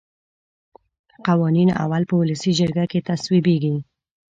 قوانین اول په ولسي جرګه کې تصویبیږي.